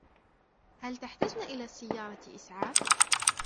هل تحتجن إلى سيارة إسعاف ؟